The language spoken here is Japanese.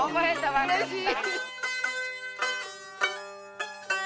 うれしい